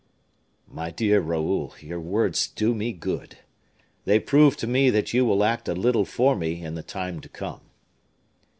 "My dear Raoul, your words do me good. They prove to me that you will act a little for me in the time to come."